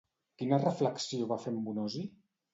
Quina reflexió va fer en Bonosi?